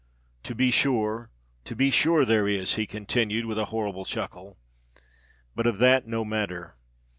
To be sure—to be sure there is," he continued, with a horrible chuckle. "But of that no matter.